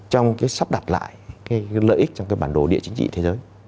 trong sắp đặt lại lợi ích trong bản đồ địa chính trị thế giới